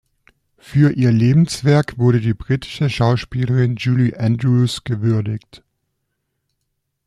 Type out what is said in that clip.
Für ihr Lebenswerk wurde die britische Schauspielerin Julie Andrews gewürdigt.